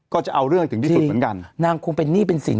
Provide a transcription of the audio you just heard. ก็จะเอาเรื่องถึงที่สุดเหมือนกันนางคงเป็นหนี้เป็นสิน